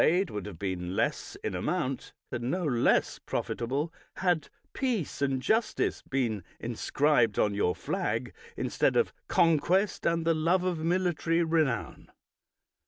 231 THE WORLD'S FAMOUS ORATIONS would have been no less in amount and no less profitable, had peace and justice been inscribed on your flag instead of conquest and the love of military renown.